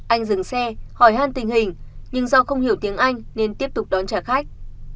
anh dừng xe hỏi han tình hình nhưng do không hiểu tiếng anh nên tiếp tục đón trả khách